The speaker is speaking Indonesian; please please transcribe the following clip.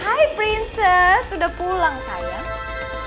hai princess udah pulang sayang